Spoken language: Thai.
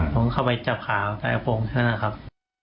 ผมเข้าไปจับขาวใต้กระโปรงเท่านั้นครับ